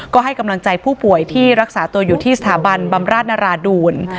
ก็ให้กำลังใจผู้ป่วยที่รักษาตัวอยู่ที่สถาบันบำราชนราดูล